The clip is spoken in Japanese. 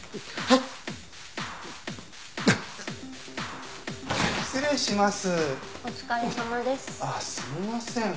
あっすいません